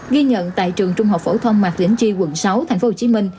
ghi nhận tại trường trung học phổ thông mạc liễn chi quận sáu tp hcm